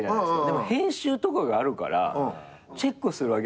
でも編集とかがあるからチェックするわけじゃないですか。